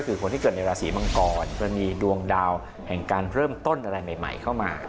คือคนที่เกิดในราศีมังกรจะมีดวงดาวแห่งการเริ่มต้นอะไรใหม่เข้ามา